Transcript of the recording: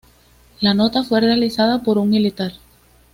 La nota fue realizada por un militar.